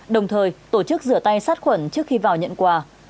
đồng thời tổ chức rửa tay sát khuẩn trước khi vào nhận quà